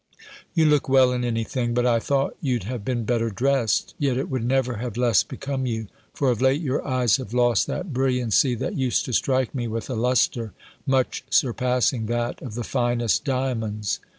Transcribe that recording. "You look well in any thing. But I thought you'd have been better dressed. Yet it would never have less become you; for of late your eyes have lost that brilliancy that used to strike me with a lustre, much surpassing that of the finest diamonds."